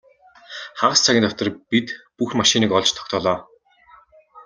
Хагас цагийн дотор бид бүх машиныг олж тогтоолоо.